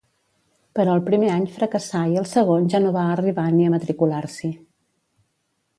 Però el primer any fracassà i el segon ja no va arribar ni a matricular-s'hi.